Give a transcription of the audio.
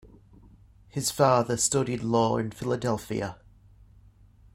His father studied law in Philadelphia.